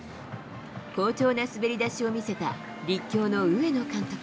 好調な滑り出しを見せた立教の上野監督。